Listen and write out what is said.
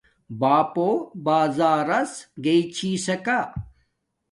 بݳپݸ بݳزݳرَس گݵئ چھݵسَکݳ.